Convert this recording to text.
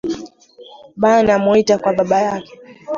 Banamuita kwa babayake